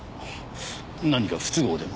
何か不都合でも？